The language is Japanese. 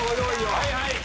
はいはい。